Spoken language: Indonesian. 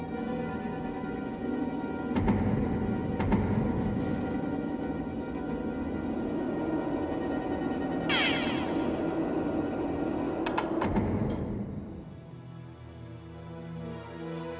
ya udah yuk